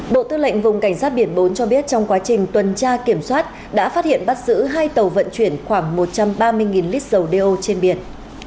bộ tư lệnh vùng cảnh sát biển bốn cho biết trong quá trình tuần tra kiểm soát đã phát hiện bắt giữ hai tàu vận chuyển khoảng một trăm ba mươi lít dầu đeo trên biển